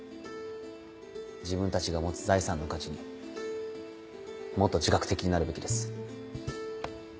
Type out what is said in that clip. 自分たちが持つ財産の価値にもっと自覚的になるべきです。